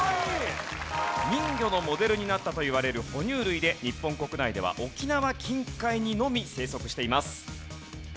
人魚のモデルになったといわれる哺乳類で日本国内では沖縄近海にのみ生息しています。